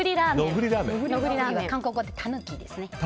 韓国語でタヌキですね。